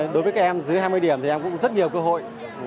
đối với các em dưới hai mươi điểm thì em cũng rất nhiều cơ hội